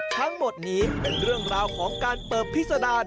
ทั้งหมดนี้เป็นเรื่องราวของการเปิบพิษดาร